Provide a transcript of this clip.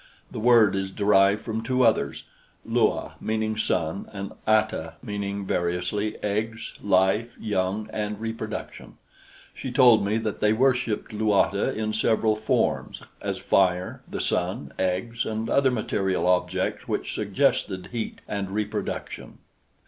The word is derived from two others: Lua, meaning sun, and ata, meaning variously eggs, life, young, and reproduction. She told me that they worshiped Luata in several forms, as fire, the sun, eggs and other material objects which suggested heat and reproduction.